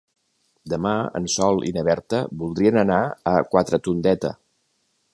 Demà en Sol i na Berta voldrien anar a Quatretondeta.